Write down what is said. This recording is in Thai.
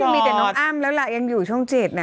ยังมีแต่น้องอ้ามแล้วล่ะยังอยู่ช่องเจ็ดน่ะ